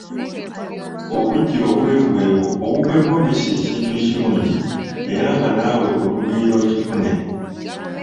Obuggya obweru bwebo obukwegombesa ekintu ekirungi era nga naawe olubirira okifune.